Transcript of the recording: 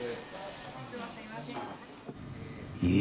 え。